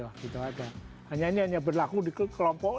hanya ini hanya berlaku di kelompok